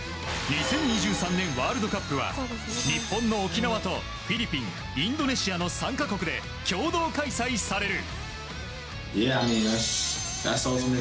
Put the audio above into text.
２０２３年ワールドカップは日本の沖縄とフィリピン、インドネシアの３か国で共同開催される。